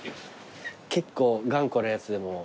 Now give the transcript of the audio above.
結構頑固なやつでも。